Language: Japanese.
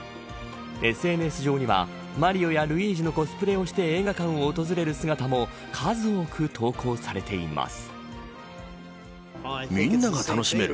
ＳＮＳ上にはマリオやルイージのコスプレをして映画館を訪れる姿も数多く投稿されています。